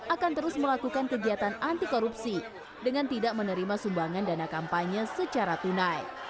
akan terus melakukan kegiatan anti korupsi dengan tidak menerima sumbangan dana kampanye secara tunai